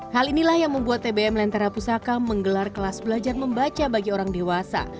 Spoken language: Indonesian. hal inilah yang membuat tbm lentera pusaka menggelar kelas belajar membaca bagi orang dewasa